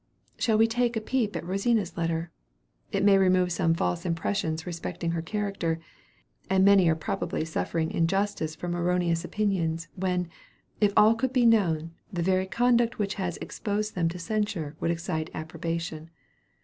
Shall we take a peep at Rosina's letter? It may remove some false impressions respecting her character, and many are probably suffering injustice from erroneous opinions, when, if all could be known, the very conduct which has exposed them to censure would excite approbation.